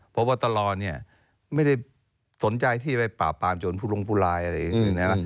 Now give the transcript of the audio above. พบตรเนี่ยไม่ได้สนใจที่ไปปราบปรามจนผู้ลงผู้ลายอะไรอย่างนี้นะ